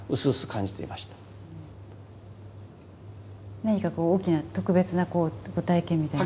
何か大きな特別なご体験みたいな。